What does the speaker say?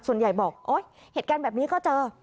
ส่วนใหญ่บอกโอ๊ยเหตุการณ์แบบนี้ก็เจอ